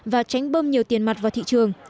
và tránh bơm nhiều tiền mặt vào thị trường